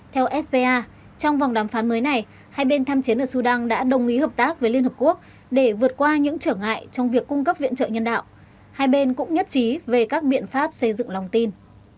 theo spa trong vòng đàm phán mới này hai bên tham chiến ở sudan đã đồng ý hợp tác với liên hợp quốc để vượt qua những trở ngại trong việc cung cấp viện trợ nhân đạo hai bên cũng nhất trí về các biện pháp xây dựng lòng tin